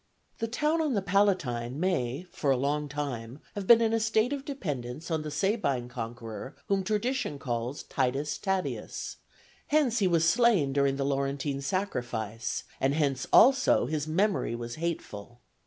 The town on the Palatine may for a long time have been in a state of dependence on the Sabine conqueror whom tradition calls Titus Tatius; hence he was slain during the Laurentine sacrifice, and hence also his memory was hateful.